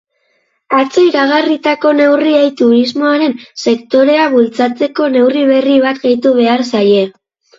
Atzo iragarritako neurriei turismoaren sektorea bultzatzeko neurri berri bat gehitu behar zaie.